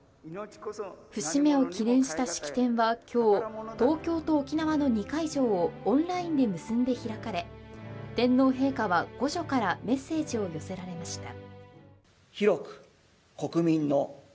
節目を記念した式典は今日、東京の沖縄の２会場をオンラインで結んで開かれ、天皇陛下は御所からメッセージを寄せられました。